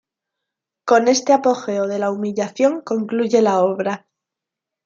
Con este apogeo de la humillación concluye la obra.